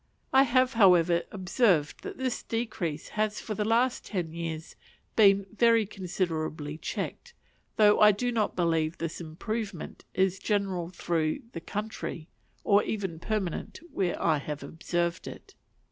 I have, however, observed that this decrease has for the last ten years been very considerably checked; though I do not believe this improvement is general through the country, or even permanent where I have observed it.